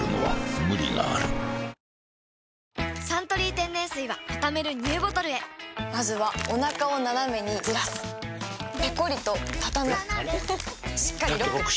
「サントリー天然水」はたためるＮＥＷボトルへまずはおなかをナナメにずらすペコリ！とたたむしっかりロック！